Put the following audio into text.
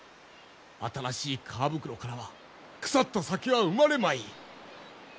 新しい革袋からは腐った酒は生まれまい！